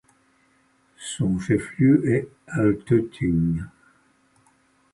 Son chef lieu est Altötting.